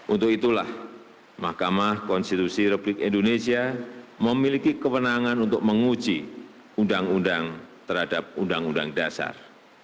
untuk itulah mahkamah konstitusi republik indonesia memiliki kewenangan untuk menguji undang undang terhadap undang undang dasar